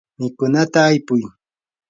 mikunata aypuy.